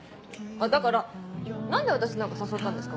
あっだから何で私なんか誘ったんですか？